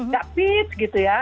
gak fit gitu ya